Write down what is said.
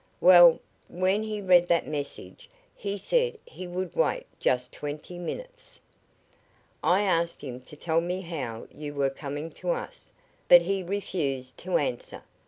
Well, when he read that message he said he would wait just twenty minutes. I asked him to tell me how you were coming to us, but he refused to answer.